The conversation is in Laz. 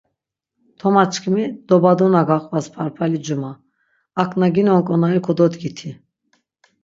Toma çkimi dobadona gaqvas parpali cuma, ak na ginon ǩonari kododgiti.